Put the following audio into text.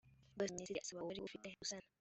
rwose minisitiri asaba uwari urufite gusana